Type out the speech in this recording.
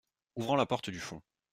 Ouvrant la porte du fond.